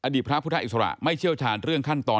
พระพุทธอิสระไม่เชี่ยวชาญเรื่องขั้นตอน